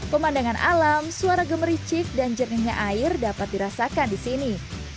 pemandangan alam suara gemericik dan jernihnya air dapat dirasakan di sini